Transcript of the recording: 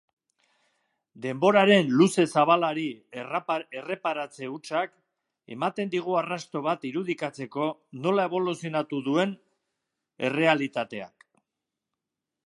Denboraren luze-zabalari erreparatze hutsak ematen digu arrasto bat irudikatzeko nola eboluzionatu duen errealitateak.